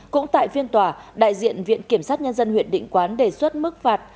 cũng tại phiên tòa đại diện viện kiểm sát nhân dân huyện định quán đề xuất mức phạt